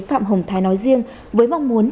phạm hồng thái nói riêng với mong muốn